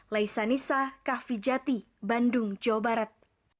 laisa nisa kah vijati bandung jawa barat